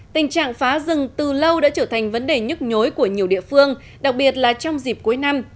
tình trạng phá rừng từ lâu đã trở thành vấn đề nhức nhối của nhiều địa phương đặc biệt là trong dịp cuối năm